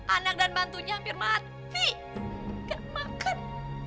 anak dan bantunya hampir mati gak makan